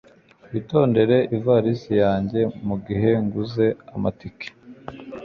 Witondere ivarisi yanjye mugihe nguze amatike.